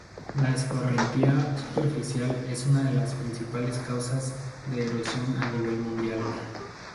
La escorrentía superficial es una de las principales causas de erosión a nivel mundial.